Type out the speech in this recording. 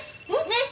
ねっ。